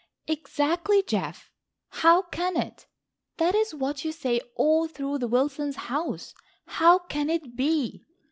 "Exactly, Geof, how can it? That is what you say all through the Wilsons' house. How can it be!